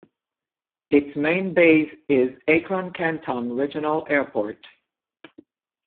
Its main base is Akron-Canton Regional Airport.